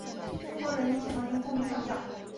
中国人民解放军空军上将。